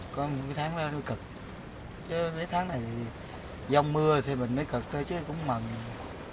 có mấy tháng đó nó cực chứ mấy tháng này dông mưa thì mình mới cực thôi chứ cũng mừng